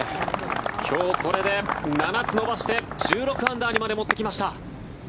今日これで７つ伸ばして１６アンダーまで持っていきました。